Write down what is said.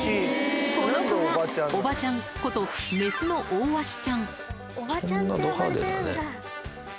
このコがおばちゃんことメスのオオワシちゃん